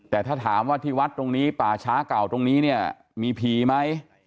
แต่ถ้าถามว่าที่วัดตรงนี้ป่าช้าเก่าตรงนี้เนี่ยมีผีไหม